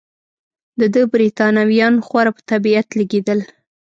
د ده بریتانویان خورا په طبیعت لګېدل.